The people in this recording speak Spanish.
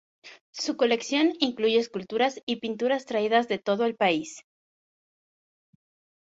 Su colección incluye esculturas y pinturas traídas de todo el país.